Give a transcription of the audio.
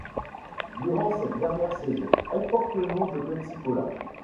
Durant cette dernière saison, elle porte le nom de Pepsi-Cola.